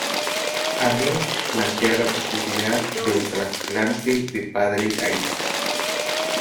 Anne plantea la posibilidad de un trasplante de padre a hijo.